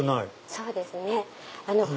そうですね。